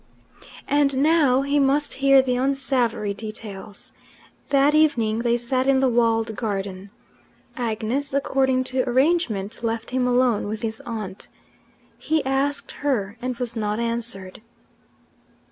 And now he must hear the unsavoury details. That evening they sat in the walled garden. Agues, according to arrangement, left him alone with his aunt. He asked her, and was not answered.